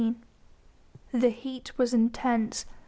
The heat was intense!